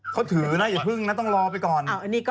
เขาถือนะอย่าเพิ่งนะต้องรอไปก่อน